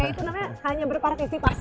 itu namanya hanya berpartisipasi